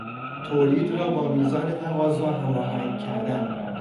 تولید را با میزان تقاضا هماهنگ کردن